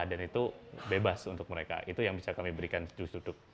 dan itu bebas untuk mereka itu yang bisa kami berikan dus dugduk